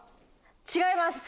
違います！